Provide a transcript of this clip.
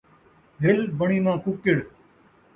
hill بݨی ناں ککِڑ